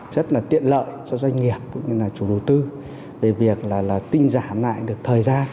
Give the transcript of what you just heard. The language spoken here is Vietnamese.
rất là tiện lợi cho doanh nghiệp cũng như là chủ đầu tư về việc là tinh giảm lại được thời gian